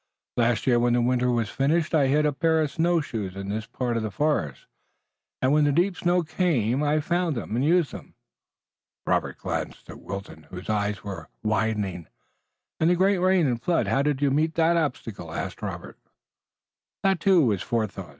"Last year when the winter was finished I hid a pair of snow shoes in this part of the forest, and when the deep snow came I found them and used them." Robert glanced at Wilton, whose eyes were widening. "And the great rain and flood, how did you meet that obstacle?" asked Robert. "That, too, was forethought.